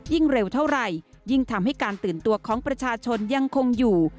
เร็วเท่าไหร่ยิ่งทำให้การตื่นตัวของประชาชนยังคงอยู่